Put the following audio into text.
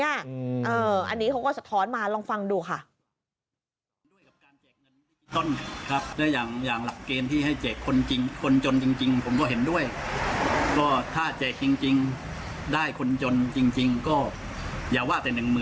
อันนี้เขาก็สะท้อนมาลองฟังดูค่ะ